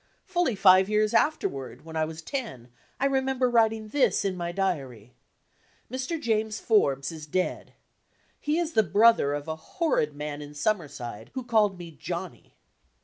Fully five years afterward, when I was ten, I remember writing this in my diary: "Mr. James Forbes is dead. He is the brother of a horrid man in Sum merside who called me 'Johnny'."